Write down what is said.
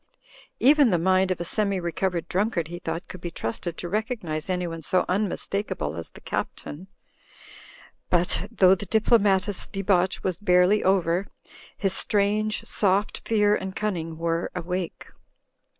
Even the mind of a semi recovered drunkard, he thought, could be trusted to recognise anyone so unmistakable as the Captain. But, though the diplomatist's debauch was barely over, his strange, soft fear and cunning were awake.